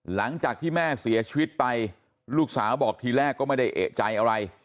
หลังจากที่แม่เสียชีวิตไปลูกสาวบอกทีแรกก็ไม่ได้เอกใจอะไร